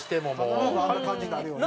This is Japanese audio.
必ずあんな感じになるよね。